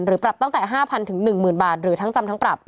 ปรับตั้งแต่๕๐๐๑๐๐๐บาทหรือทั้งจำทั้งปรับ